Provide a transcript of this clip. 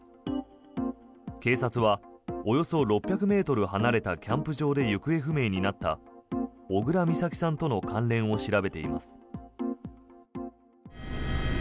警察は、およそ６００ｍ離れたキャンプ場で行方不明になった小倉美咲さんとの関連を調べています。